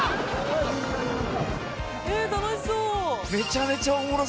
え楽しそう。